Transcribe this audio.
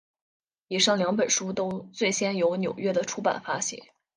以上两本书都最先由纽约的出版发行。